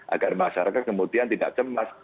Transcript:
agar masyarakat kemudian tidak cemas